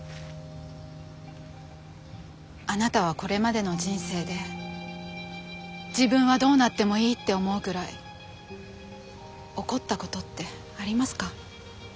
あなたはこれまでの人生で自分はどうなってもいいって思うぐらい怒ったことってありますか？